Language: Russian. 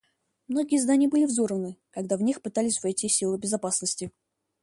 Многие здания были взорваны, когда в них пытались войти силы безопасности.